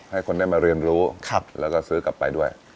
ให้คนได้มาเรียนรู้แล้วก็ซื้อกลับไปด้วย